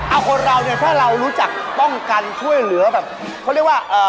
อ้าวคนเราเนี่ยถ้าเรานุชักป้องกันช่วยเหลือแบบ